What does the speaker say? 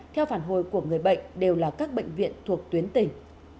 theo phản hồi của người bệnh đều là các bệnh viện thuộc tuyến tỉnh